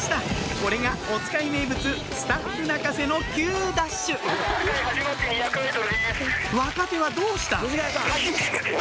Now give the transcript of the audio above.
これがおつかい名物スタッフ泣かせの急ダッシュ若手はどうした？